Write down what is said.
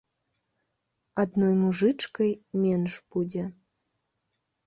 Адной мужычкай менш будзе.